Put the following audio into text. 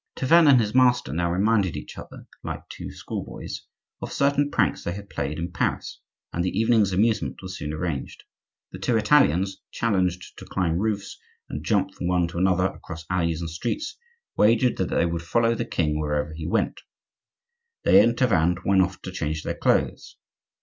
Tavannes and his master now reminded each other, like two school boys, of certain pranks they had played in Paris, and the evening's amusement was soon arranged. The two Italians, challenged to climb roofs, and jump from one to another across alleys and streets, wagered that they would follow the king wherever he went. They and Tavannes went off to change their clothes.